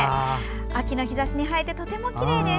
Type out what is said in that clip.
秋の日ざしに映えてとてもきれいです。